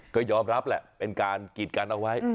ก็ยอมรับแหละเป็นการกีดกันเอาไว้